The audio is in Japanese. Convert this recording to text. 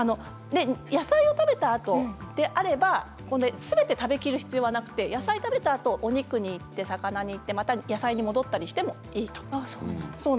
野菜を食べたあとであればすべて食べきる必要はなくて野菜を食べたあと、お肉にいって魚にいって、また野菜に戻ってもいいと。